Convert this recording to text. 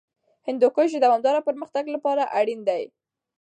هندوکش د دوامداره پرمختګ لپاره اړین دی.